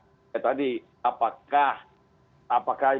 seperti tadi apakah